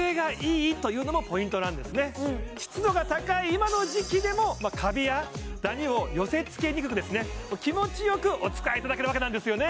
今の時期でもカビやダニを寄せつけにくく気持ちよくお使いいただけるわけなんですよね